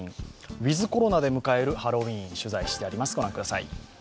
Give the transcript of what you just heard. ウィズ・コロナで迎えるハロウィーン、取材してあります。